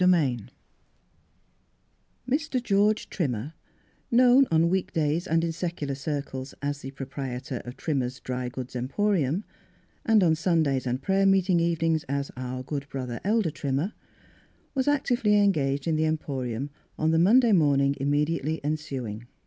[■70] Mr. George Trimmer, known on week days and in secular circles as the proprie tor of Trimmer's Dry Goods Emporium, and on Sundays and prayer meeting even ings as " our good brother, Elder Trim mer," was actively engaged in the Em porium on the Monday morning immedi ately ensuing.